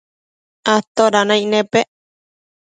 atoda naic nepec